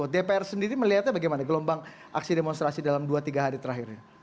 dpr sendiri melihatnya bagaimana gelombang aksi demonstrasi dalam dua tiga hari terakhir ini